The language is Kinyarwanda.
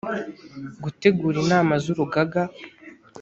gutegura inama z urugaga